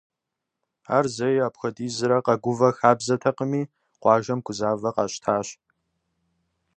Ар зэи апхуэдизрэ къэгувэ хабзэтэкъыми, къуажэм гузавэ къащтащ.